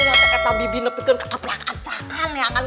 nanti eta bibi nepekan ke prakan prakan ya kan